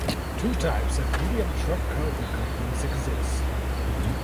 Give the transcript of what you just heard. Two types of medium truck cargo companies exist.